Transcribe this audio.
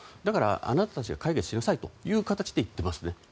だから、あなたたちが解決しなさいという形で言っていますよね。